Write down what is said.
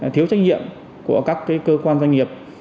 thiếu trách nhiệm của các cơ quan doanh nghiệp